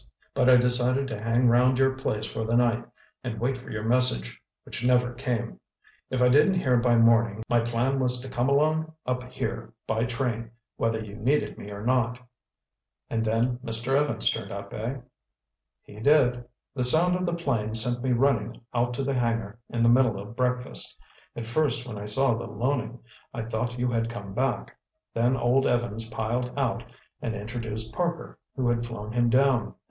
But I decided to hang round your place for the night and wait for your message—which never came. If I didn't hear by morning, my plan was to come along up here by train, whether you needed me or not." "And then Mr. Evans turned up, eh?" "He did. The sound of the plane sent me running out to the hangar in the middle of breakfast. At first when I saw the Loening, I thought you had come back. Then old Evans piled out and introduced Parker, who had flown him down.